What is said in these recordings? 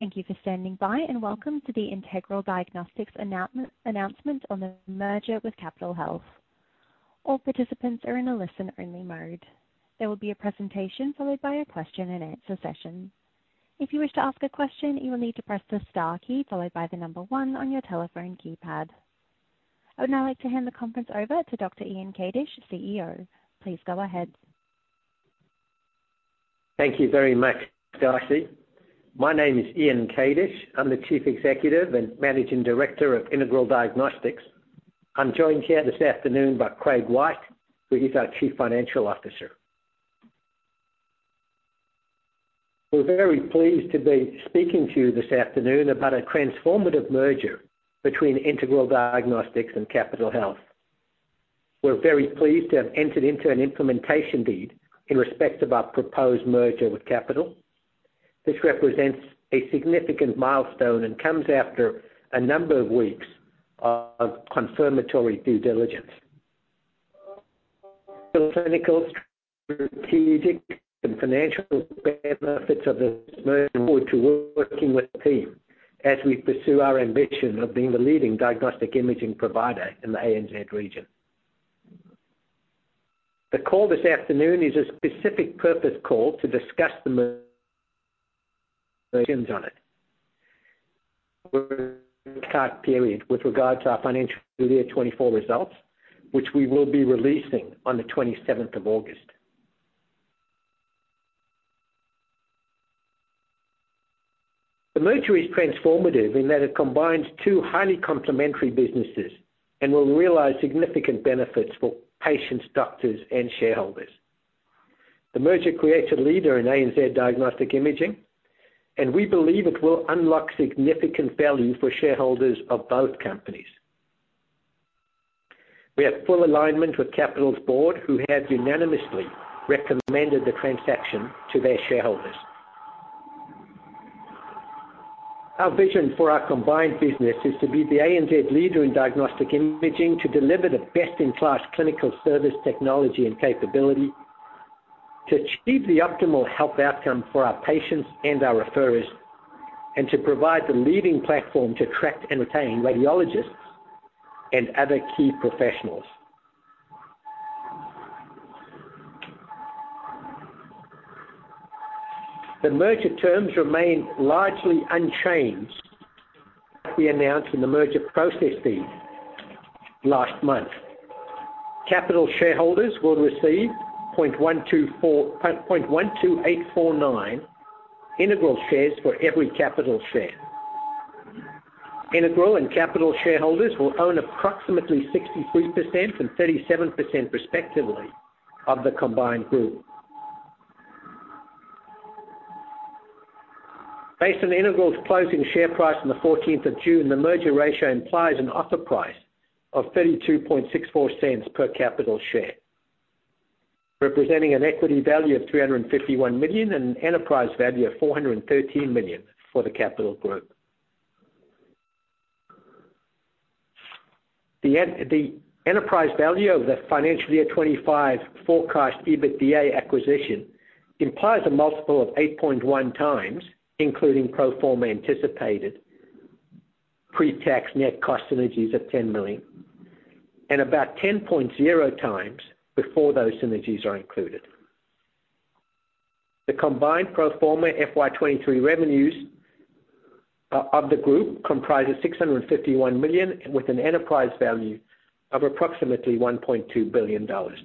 Thank you for standing by, and welcome to the Integral Diagnostics announcement on the merger with Capitol Health. All participants are in a listen-only mode. There will be a presentation, followed by a question and answer session. If you wish to ask a question, you will need to press the star key, followed by the number one on your telephone keypad. I would now like to hand the conference over to Dr. Ian Kadish, CEO. Please go ahead. Thank you very much, Darcy. My name is Ian Kadish. I'm the Chief Executive and Managing Director of Integral Diagnostics. I'm joined here this afternoon by Craig White, who is our Chief Financial Officer. We're very pleased to be speaking to you this afternoon about a transformative merger between Integral Diagnostics and Capitol Health. We're very pleased to have entered into an implementation deed in respect of our proposed merger with Capitol. This represents a significant milestone and comes after a number of weeks of confirmatory due diligence. The clinical, strategic, and financial benefits of this merger move forward to working with the team as we pursue our ambition of being the leading diagnostic imaging provider in the ANZ region. The call this afternoon is a specific purpose call to discuss the merger on it. Period with regard to our financial year 2024 results, which we will be releasing on the 27th of August. The merger is transformative in that it combines two highly complementary businesses and will realize significant benefits for patients, doctors, and shareholders. The merger creates a leader in ANZ diagnostic imaging, and we believe it will unlock significant value for shareholders of both companies. We have full alignment with Capitol's board, who have unanimously recommended the transaction to their shareholders. Our vision for our combined business is to be the ANZ leader in diagnostic imaging, to deliver the best-in-class clinical service, technology, and capability, to achieve the optimal health outcome for our patients and our referrers, and to provide the leading platform to attract and retain radiologists and other key professionals. The merger terms remain largely unchanged. We announced in the Implementation Deed last month. Capitol shareholders will receive 0.124849 Integral shares for every Capitol share. Integral and Capitol shareholders will own approximately 63% and 37%, respectively, of the combined group. Based on Integral's closing share price on the fourteenth of June, the merger ratio implies an offer price of 32.64 cents per Capitol share, representing an equity value of 351 million and an enterprise value of 413 million for the Capitol Group. The enterprise value of the financial year 2025 forecast EBITDA acquisition implies a multiple of 8.1x, including pro forma anticipated pre-tax net cost synergies of 10 million, and about 10.0 times before those synergies are included. The combined pro forma FY 2023 revenues of the group comprises 651 million, with an enterprise value of approximately 1.2 billion dollars.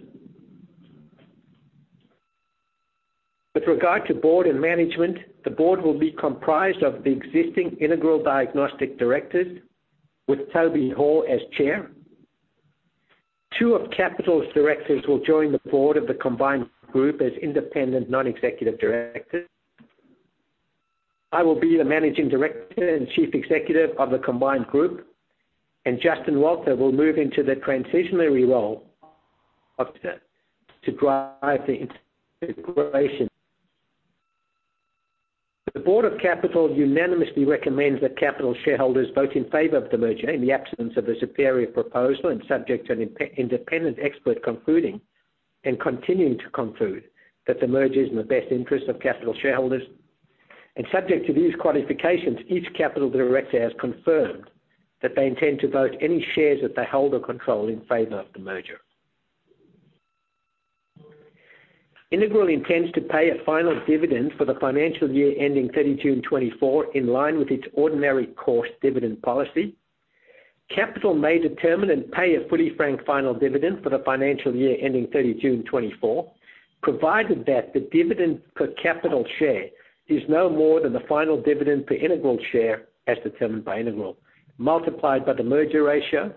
With regard to board and management, the board will be comprised of the existing Integral Diagnostics directors, with Toby Hall as Chair. Two of Capitol's directors will join the board of the combined group as independent non-executive directors. I will be the Managing Director and Chief Executive of the combined group, and Justin Walter will move into the transitionary role to drive the integration. The board of Capitol unanimously recommends that Capitol shareholders vote in favor of the merger in the absence of a superior proposal, and subject to an independent expert concluding and continuing to conclude that the merger is in the best interest of Capitol shareholders. Subject to these qualifications, each Capitol director has confirmed that they intend to vote any shares that they hold or control in favor of the merger. Integral intends to pay a final dividend for the financial year ending 30th June 2024, in line with its ordinary course dividend policy. Capitol may determine and pay a fully franked final dividend for the financial year ending 30th June 2024, provided that the dividend per Capitol share is no more than the final dividend per Integral share, as determined by Integral, multiplied by the merger ratio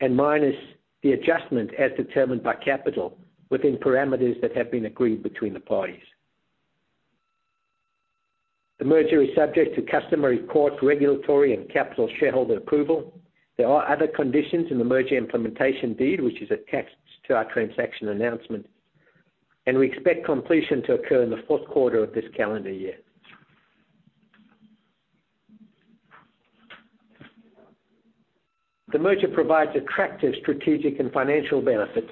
and minus the adjustment as determined by Capitol within parameters that have been agreed between the parties. The merger is subject to customary court, regulatory, and Capitol shareholder approval. There are other conditions in the merger Implementation Deed, which is attached to our transaction announcement, and we expect completion to occur in the fourth quarter of this calendar year. The merger provides attractive strategic and financial benefits,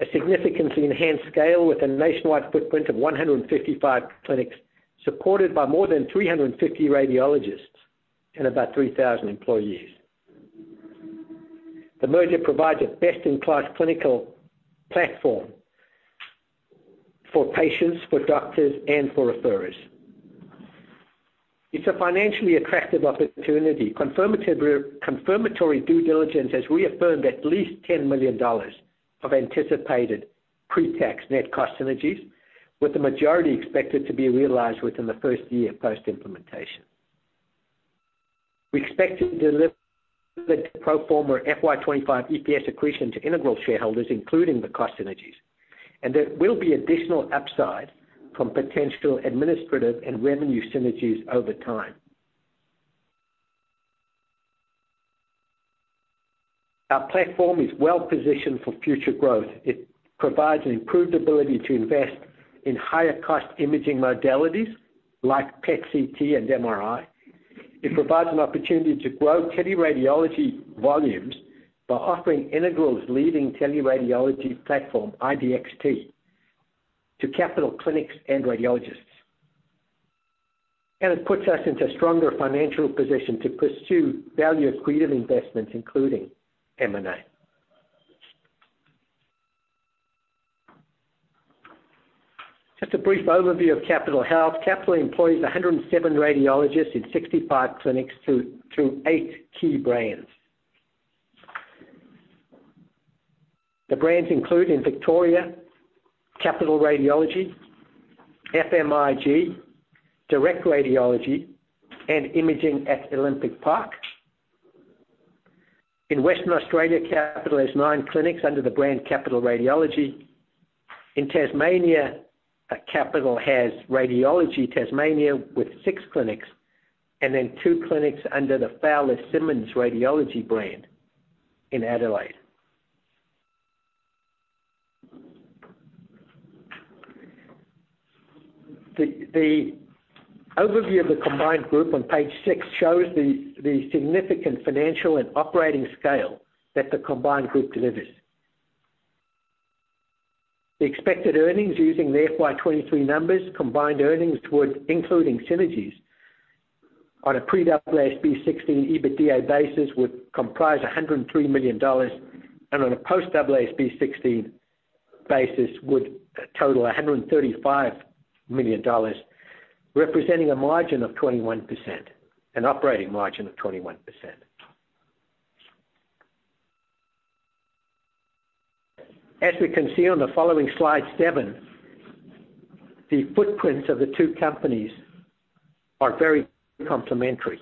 a significantly enhanced scale with a nationwide footprint of 155 clinics, supported by more than 350 radiologists and about 3,000 employees. The merger provides a best-in-class clinical platform for patients, for doctors, and for referrers. It's a financially attractive opportunity. Confirmatory, confirmatory due diligence has reaffirmed at least 10 million dollars of anticipated pre-tax net cost synergies, with the majority expected to be realized within the first year post-implementation. We expect to deliver the pro forma FY 2025 EPS accretion to Integral shareholders, including the cost synergies, and there will be additional upside from potential administrative and revenue synergies over time. Our platform is well-positioned for future growth. It provides an improved ability to invest in higher-cost imaging modalities like PET/CT and MRI. It provides an opportunity to grow teleradiology volumes by offering Integral's leading teleradiology platform, IDxT, to Capitol clinics and radiologists. And it puts us into a stronger financial position to pursue value-accretive investments, including M&A. Just a brief overview of Capitol Health. Capitol employs 107 radiologists in 65 clinics through eight key brands. The brands include, in Victoria, Capitol Radiology, FMIG, Direct Radiology, and Imaging at Olympic Park. In Western Australia, Capitol has nine clinics under the brand Capitol Radiology. In Tasmania, Capitol has Radiology Tasmania with six clinics, and then two clinics under the Fowler Simmons Radiology brand in Adelaide. The overview of the combined group on page six shows the significant financial and operating scale that the combined group delivers. The expected earnings using the FY 2023 numbers, combined earnings towards including synergies on a pre-AASB 16 EBITDA basis, would comprise 103 million dollars, and on a post-AASB 16 basis, would total 135 million dollars, representing a margin of 21%, an operating margin of 21%. As we can see on the following slide 7, the footprints of the two companies are very complementary.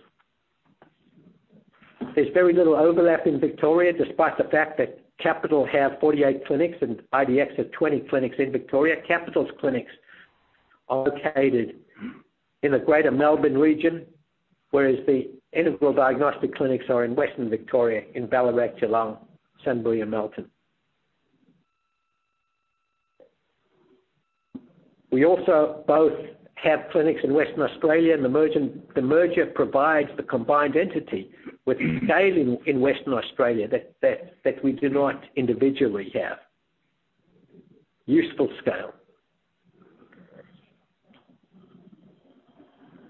There's very little overlap in Victoria, despite the fact that Capitol have 48 clinics and IDX have 20 clinics in Victoria. Capitol's clinics are located in the greater Melbourne region, whereas the Integral Diagnostics clinics are in Western Victoria, in Ballarat, Geelong, Sunbury, and Melton. We also both have clinics in Western Australia, and the merger provides the combined entity with scale in Western Australia that we do not individually have. Useful scale.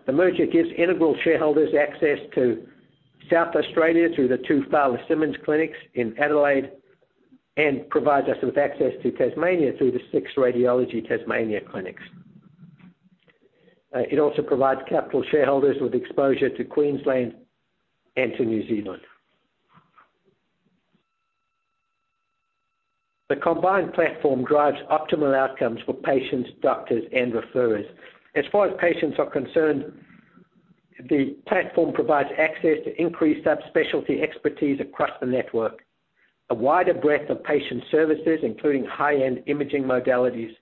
The merger gives Integral shareholders access to South Australia through the two Fowler Simmons clinics in Adelaide, and provides us with access to Tasmania through the six Radiology Tasmania clinics. It also provides Capitol shareholders with exposure to Queensland and to New Zealand. The combined platform drives optimal outcomes for patients, doctors, and referrers. As far as patients are concerned, the platform provides access to increased subspecialty expertise across the network, a wider breadth of patient services, including high-end imaging modalities.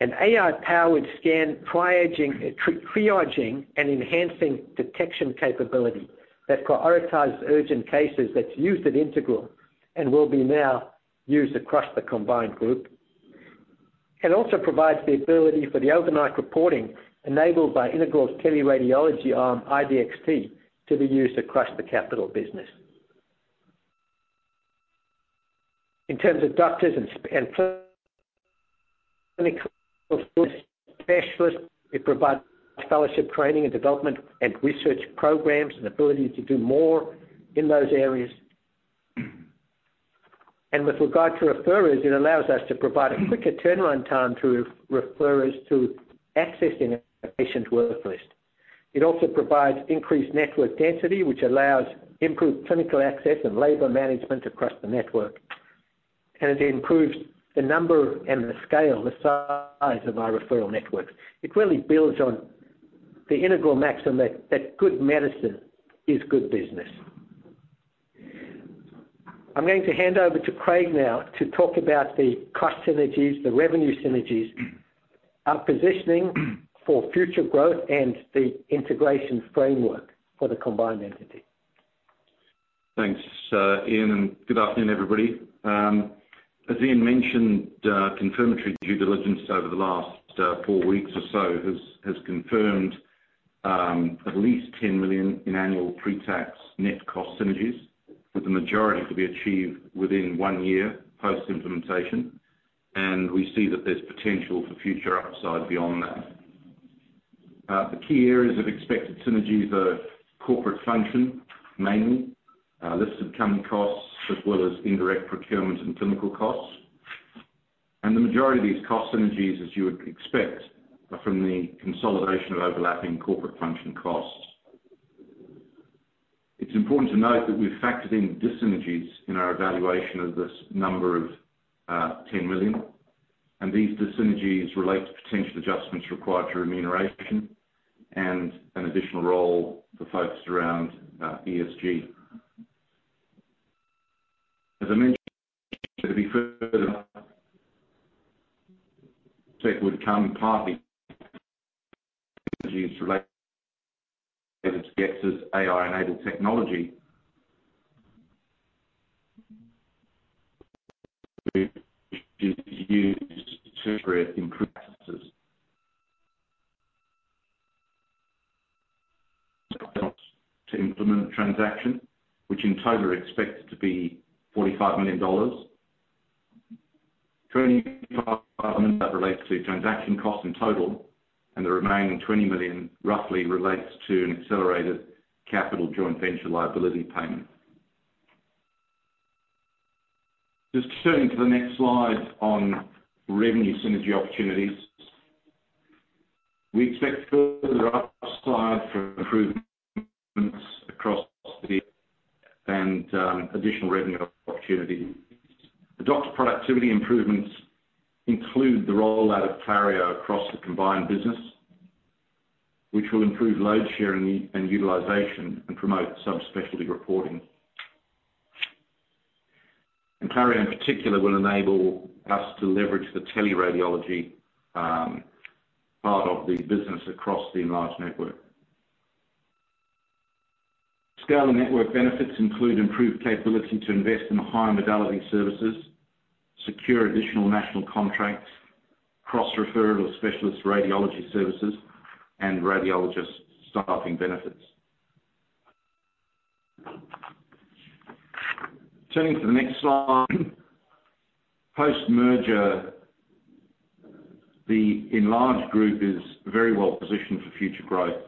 An AI-powered scan triaging and enhancing detection capability that prioritizes urgent cases that's used at Integral and will be now used across the combined group. It also provides the ability for the overnight reporting enabled by Integral's teleradiology arm, IDxT, to be used across the Capitol business. In terms of doctors and, and specialists, it provides fellowship training and development and research programs and ability to do more in those areas. With regard to referrers, it allows us to provide a quicker turnaround time for referrers to access a patient worklist. It also provides increased network density, which allows improved clinical access and labor management across the network, and it improves the number and the scale, the size of our referral networks. It really builds on the Integral maxim that, that good medicine is good business. I'm going to hand over to Craig now to talk about the cost synergies, the revenue synergies, our positioning for future growth, and the integration framework for the combined entity. Thanks, Ian, and good afternoon, everybody. As Ian mentioned, confirmatory due diligence over the last four weeks or so has confirmed at least 10 million in annual pre-tax net cost synergies, with the majority to be achieved within one year post-implementation. And we see that there's potential for future upside beyond that. The key areas of expected synergies are corporate function, mainly listed company costs, as well as indirect procurement and clinical costs. And the majority of these cost synergies, as you would expect, are from the consolidation of overlapping corporate function costs. It's important to note that we've factored in dyssynergies in our evaluation of this number of 10 million, and these dyssynergies relate to potential adjustments required for remuneration and an additional role focused around ESG. As I mentioned, to be fair, it would come partly related to AI-enabled technology to use tertiary increases. To implement a transaction, which in total is expected to be 45 million dollars. Currently, relates to transaction costs in total, and the remaining 20 million roughly relates to an accelerated Capitol joint venture liability payment. Just turning to the next slide on revenue synergy opportunities. We expect further upside for improvements across the ANZ, additional revenue opportunities. The doctor's productivity improvements include the rollout of Clario across the combined business, which will improve load sharing and utilization and promote subspecialty reporting. And Clario, in particular, will enable us to leverage the teleradiology part of the business across the enlarged network. Scale and network benefits include improved capability to invest in high-modality services, secure additional national contracts, cross-referral specialist radiology services, and radiologist staffing benefits. Turning to the next slide. Post-merger, the enlarged group is very well positioned for future growth.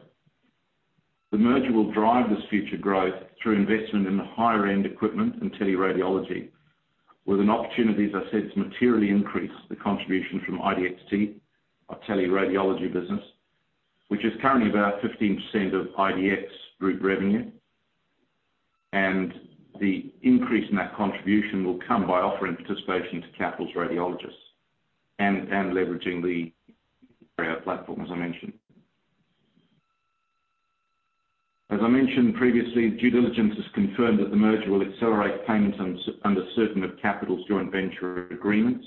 The merger will drive this future growth through investment in the higher-end equipment and teleradiology, with an opportunity, as I said, to materially increase the contribution from IDxT, our teleradiology business, which is currently about 15% of IDX group revenue. The increase in that contribution will come by offering participation to Capitol's radiologists and leveraging the platform, as I mentioned. As I mentioned previously, due diligence has confirmed that the merger will accelerate payments under certain of Capitol's joint venture agreements.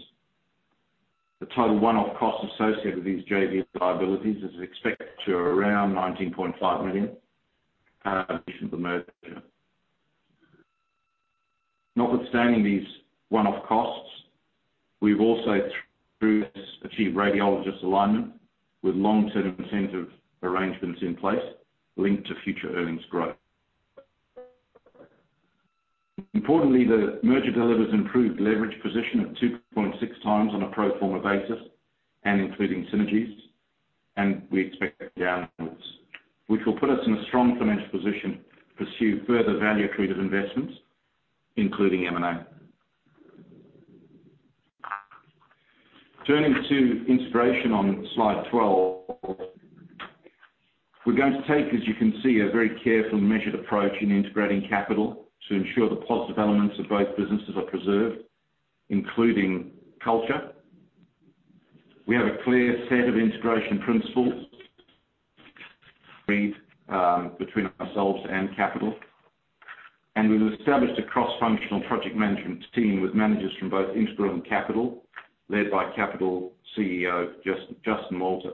The total one-off costs associated with these JV liabilities is expected to around 19.5 million addition to the merger. Notwithstanding these one-off costs, we've also achieved radiologist alignment with long-term incentive arrangements in place linked to future earnings growth. Importantly, the merger delivers improved leverage position of 2.6 times on a pro forma basis and including synergies, and we expect that downwards, which will put us in a strong financial position to pursue further value-accretive investments, including M&A. Turning to integration on slide 12. We're going to take, as you can see, a very careful and measured approach in integrating Capitol to ensure the positive elements of both businesses are preserved, including culture. We have a clear set of integration principles between ourselves and Capitol, and we've established a cross-functional project management team with managers from both Integral and Capitol, led by Capitol CEO, Justin Walter.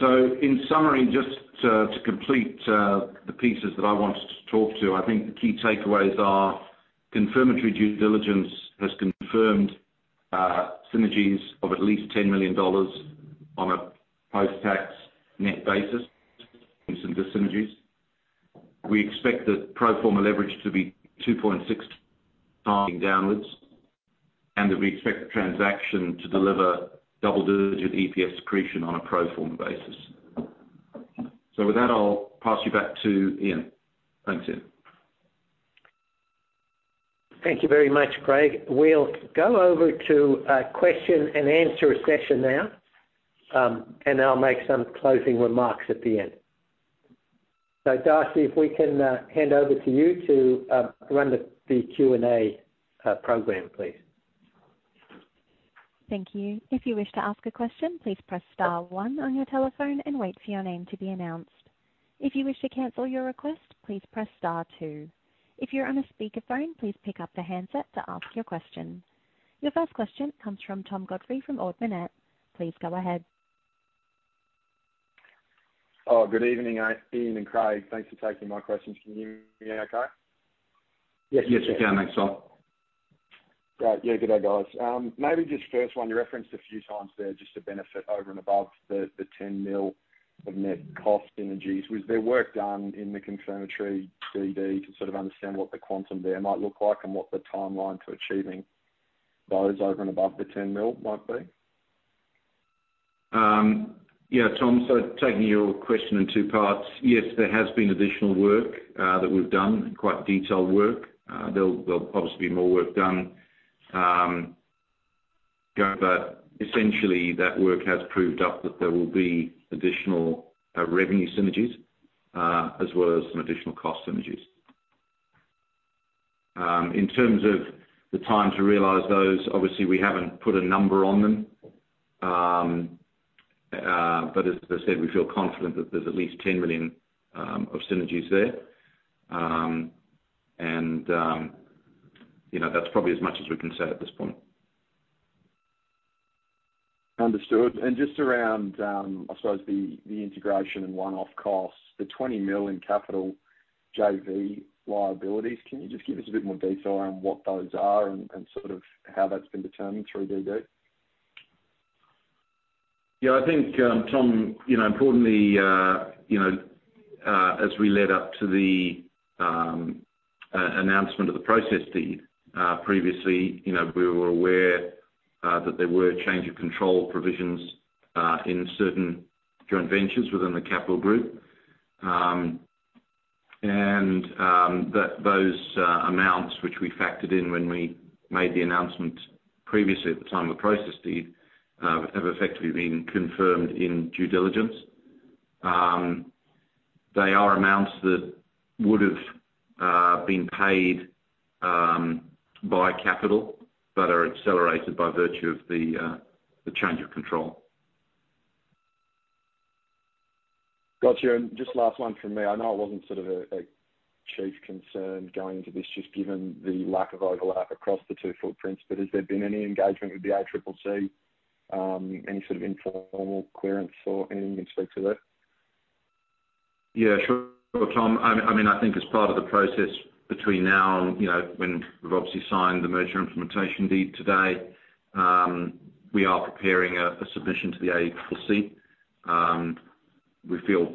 So in summary, just to complete, the pieces that I wanted to talk to, I think the key takeaways are: confirmatory due diligence has confirmed synergies of at least 10 million dollars on a post-tax net basis, some dyssynergies. We expect the pro forma leverage to be 2.6 downwards, and that we expect the transaction to deliver double-digit EPS accretion on a pro forma basis. So with that, I'll pass you back to Ian. Thanks, Ian. Thank you very much, Craig. We'll go over to a question-and-answer session now, and I'll make some closing remarks at the end. So Darcy, if we can, hand over to you to run the Q&A program, please. Thank you. If you wish to ask a question, please press star one on your telephone and wait for your name to be announced. If you wish to cancel your request, please press star two. If you're on a speakerphone, please pick up the handset to ask your question. Your first question comes from Tom Godfrey from Ord Minnett. Please go ahead. Oh, good evening, Ian and Craig. Thanks for taking my questions. Can you hear me okay? Yes, we can, thanks, Tom. Great. Yeah, good day, guys. Maybe just first one, you referenced a few times there, just the benefit over and above the 10 million of net cost synergies. Was there work done in the confirmatory DD to sort of understand what the quantum there might look like and what the timeline to achieving those over and above the 10 million might be? Yeah, Tom, so taking your question in two parts, yes, there has been additional work that we've done, and quite detailed work. There'll obviously be more work done. But essentially, that work has proved up that there will be additional revenue synergies as well as some additional cost synergies. In terms of the time to realize those, obviously we haven't put a number on them. But as I said, we feel confident that there's at least 10 million of synergies there. And, you know, that's probably as much as we can say at this point. Understood. Just around the integration and one-off costs, the 20 million in Capitol JV liabilities, can you just give us a bit more detail on what those are and sort of how that's been determined through DD? Yeah, I think, Tom, you know, importantly, you know, as we led up to the announcement of the implementation deed previously, you know, we were aware that there were change of control provisions in certain joint ventures within the Capitol Group. And that those amounts which we factored in when we made the announcement previously at the time of implementation deed have effectively been confirmed in due diligence. They are amounts that would've been paid by Capitol, but are accelerated by virtue of the change of control. Got you, and just last one from me. I know it wasn't sort of a chief concern going into this, just given the lack of overlap across the two footprints, but has there been any engagement with the ACCC, any sort of informal clearance or anything you can speak to there? Yeah, sure, Tom. I mean, I think as part of the process between now and, you know, when we've obviously signed the merger Implementation Deed today, we are preparing a submission to the ACCC. We feel,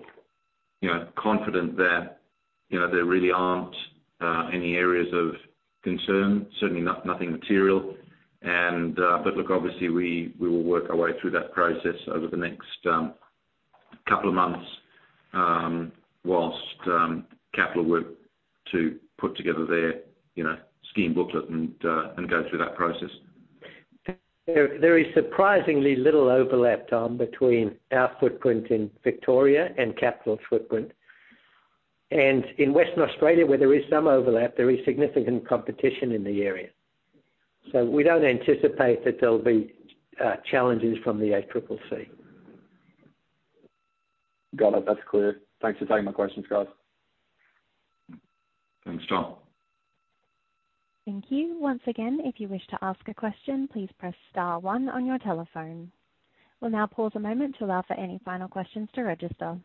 you know, confident that, you know, there really aren't any areas of concern, certainly nothing material. And, but look, obviously, we will work our way through that process over the next couple of months, while Capitol work to put together their, you know, scheme booklet and go through that process. There is surprisingly little overlap, Tom, between our footprint in Victoria and Capitol's footprint. And in Western Australia, where there is some overlap, there is significant competition in the area. So we don't anticipate that there'll be challenges from the ACCC. Got it. That's clear. Thanks for taking my questions, guys. Thanks, Tom. Thank you. Once again, if you wish to ask a question, please press star one on your telephone. We'll now pause a moment to allow for any final questions to register.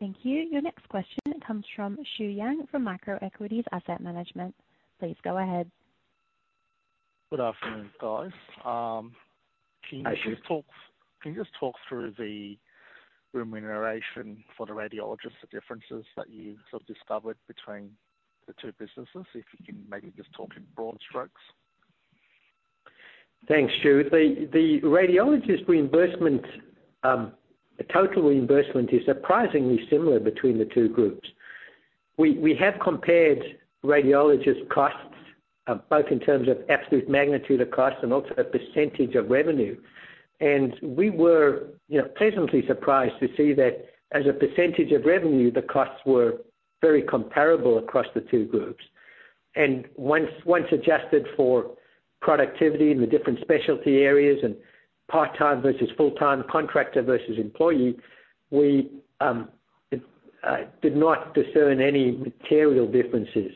Thank you. Your next question comes from Shuo Yang from Microequities Asset Management. Please go ahead. Good afternoon, guys. Can you just talk through the remuneration for the radiologists, the differences that you sort of discovered between the two businesses? If you can maybe just talk in broad strokes. Thanks, Shu. The radiologist reimbursement, the total reimbursement is surprisingly similar between the two groups. We have compared radiologists' costs, both in terms of absolute magnitude of cost and also a percentage of revenue. And we were, you know, pleasantly surprised to see that as a percentage of revenue, the costs were very comparable across the two groups. And once adjusted for productivity in the different specialty areas and part-time versus full-time, contractor versus employee, we did not discern any material differences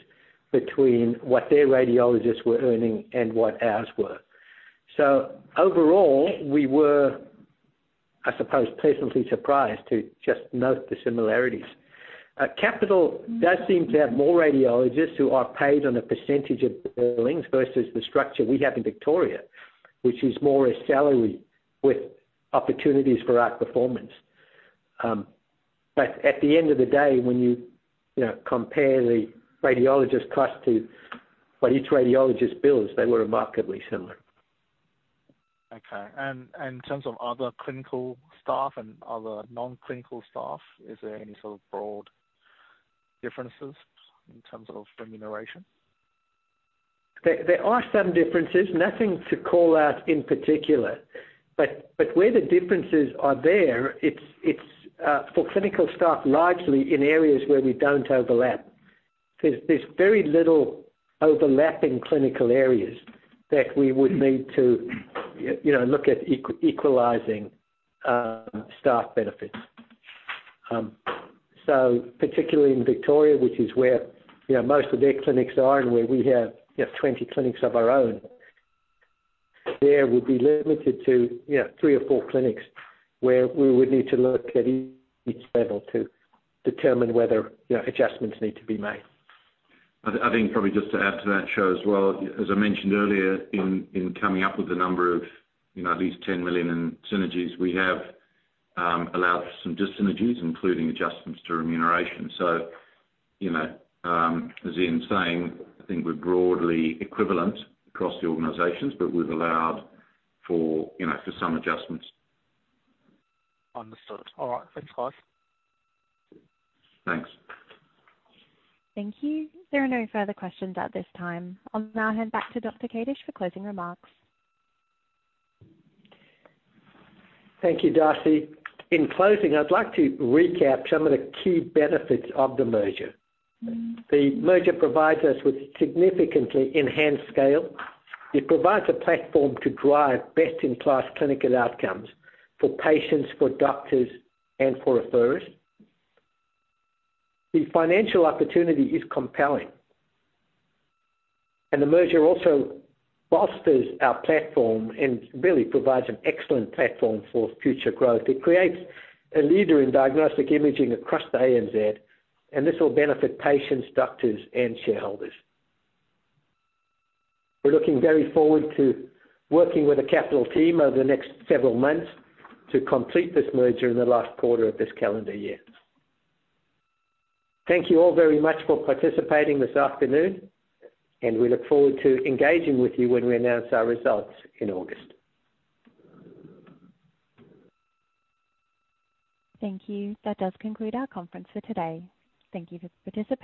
between what their radiologists were earning and what ours were. So overall, we were, I suppose, pleasantly surprised to just note the similarities. Capitol does seem to have more radiologists who are paid on a percentage of billings versus the structure we have in Victoria, which is more a salary with opportunities for outperformance. But at the end of the day, when you, you know, compare the radiologist's cost to what each radiologist bills, they were remarkably similar. Okay. And in terms of other clinical staff and other non-clinical staff, is there any sort of broad differences in terms of remuneration? There are some differences, nothing to call out in particular, but where the differences are there, it's for clinical staff, largely in areas where we don't overlap. There's very little overlap in clinical areas that we would need to, you know, look at equalizing staff benefits. So particularly in Victoria, which is where, you know, most of their clinics are and where we have, you know, 20 clinics of our own, there would be limited to, you know, three or four clinics where we would need to look at each level to determine whether, you know, adjustments need to be made. I think probably just to add to that, Shuo, as well, as I mentioned earlier, in coming up with a number of, you know, at least 10 million in synergies, we have allowed for some dyssynergies, including adjustments to remuneration. So, you know, as Ian's saying, I think we're broadly equivalent across the organizations, but we've allowed for, you know, for some adjustments. Understood. All right, thanks, guys. Thanks. Thank you. There are no further questions at this time. I'll now hand back to Dr. Kadish for closing remarks. Thank you, Darcy. In closing, I'd like to recap some of the key benefits of the merger. The merger provides us with significantly enhanced scale. It provides a platform to drive best-in-class clinical outcomes for patients, for doctors, and for referrers. The financial opportunity is compelling, and the merger also fosters our platform and really provides an excellent platform for future growth. It creates a leader in diagnostic imaging across the ANZ, and this will benefit patients, doctors, and shareholders. We're looking very forward to working with the Capitol team over the next several months to complete this merger in the last quarter of this calendar year. Thank you all very much for participating this afternoon, and we look forward to engaging with you when we announce our results in August. Thank you. That does conclude our conference for today. Thank you for participating.